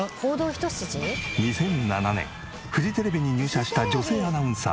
２００７年フジテレビに入社した女性アナウンサー。